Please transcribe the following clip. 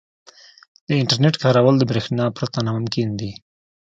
• د انټرنیټ کارول د برېښنا پرته ناممکن دي.